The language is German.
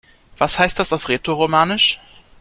Was heißt das auf Rätoromanisch?